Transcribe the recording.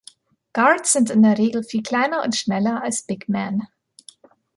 Guards sind in der Regel viel kleiner und schneller als "big men".